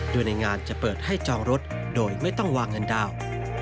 โดยในงานจะเปิดให้จองรถโดยไม่ต้องวางเงินดาวน์